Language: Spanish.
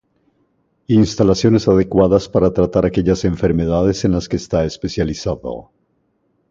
Instalaciones adecuadas para tratar aquellas enfermedades en las que está especializado.